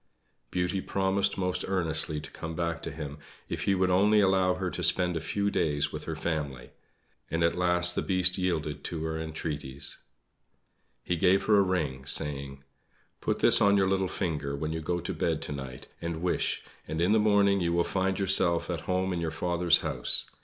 Beauty promised most earnestly to come back to him if he would only allow her to spend a few days with her family; and at last the Beast yielded to her entreaties. He gave her a ring, saying: "Put this on your little finger when you go to bed to night, and wish; and in the morning you will find yourself at home in your father's house.